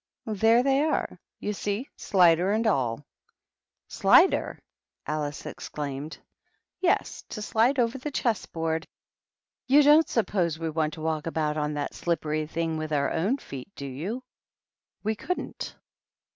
" There they are, you see, slider and all." " Slider /" Alice exclaimed. "Yes, to slide over the chess board. You don't suppose we want to walk about on that THE RED QUEEN AND THE DUCHESS. 143 slippery thing with our own feet, do you? We couldn't."